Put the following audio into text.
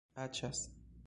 aĉas